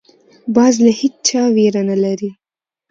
باز له هېچا ویره نه لري